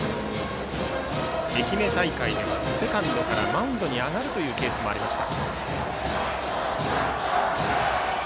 愛媛大会ではセカンドからマウンドに上がるケースもありました。